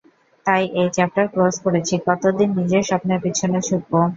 তাই এই chapter close করেছি কতদিন নিজের স্বপ্নের পেছনে ছুটব?